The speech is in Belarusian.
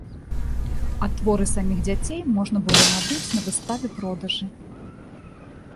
А творы саміх дзяцей можна было набыць на выставе-продажы.